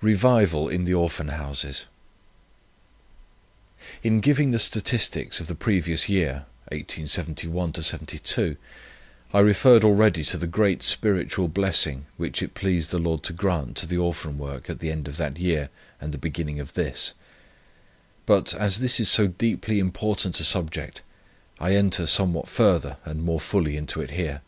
REVIVAL IN THE ORPHAN HOUSES. "In giving the statistics of the previous year [1871 72], I referred already to the great spiritual blessing, which it pleased the Lord to grant to the Orphan Work at the end of that year and the beginning of this; but, as this is so deeply important a subject, I enter somewhat further and more fully into it here.